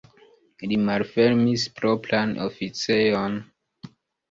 Li malfermis propran oficejon.